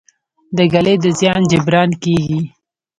د ږلۍ د زیان جبران کیږي؟